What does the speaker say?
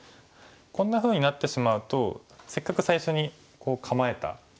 こんなふうになってしまうとせっかく最初に構えた。